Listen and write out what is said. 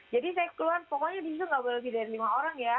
jadi saya keluar pokoknya disitu nggak lebih dari lima orang ya